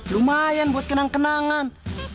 lumayan buat kenang kenangan